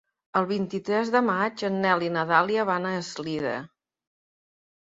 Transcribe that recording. El vint-i-tres de maig en Nel i na Dàlia van a Eslida.